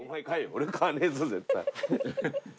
俺買わねえぞ絶対。